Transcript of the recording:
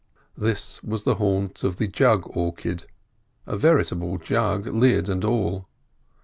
This was the haunt of the jug orchid—a veritable jug, lid and all.